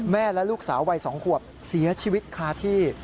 และลูกสาววัย๒ขวบเสียชีวิตคาที่